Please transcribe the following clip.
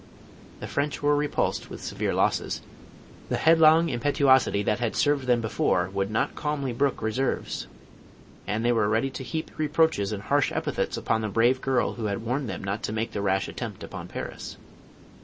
The French were repulsed with severe losses. The headlong im petuosity that had served them before, would not calmly brook reverse?, and they were ready to heap reproaches and harsh epithets upon the brave girl who had warned them not to make the rash attempt upon Paris.